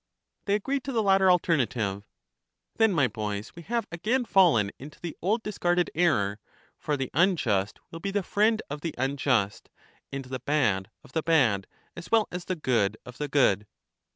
They agreed to the latter alternative. Then, my boys, we have again fallen into the old discarded error; for the unjust will be the friend of LYSIS 5r9 the unjust, and the bad of the bad, as well as the good of the good.